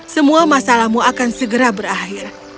semua masalahmu akan segera berakhir